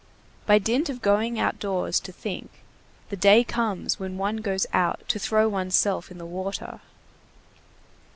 By dint of going outdoors to think, the day comes when one goes out to throw one's self in the water.